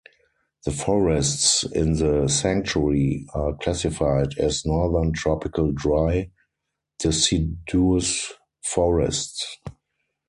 The forests in the sanctuary are classified as Northern Tropical Dry Deciduous Forests.